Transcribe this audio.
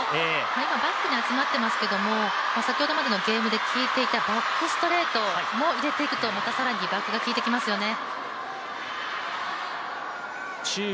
今、バックに集まってますけども先ほどまでのゲームできいていたバックストレートを入れていくとまた更にバックがきいていきますよね。